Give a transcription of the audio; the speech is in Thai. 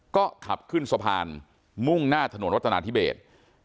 ก็ขับขึ้นสะพานมุ่งหน้าถนนรัฐนาธิเบส